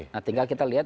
nah tinggal kita lihat